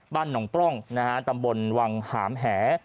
บ้านหนองปร่องตำบลวังหามแห